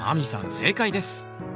正解です。